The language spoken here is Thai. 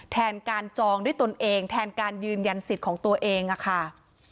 แทนการจองด้วยตนเองแทนการยืนยันสิทธิ์ของตัวเองค่ะ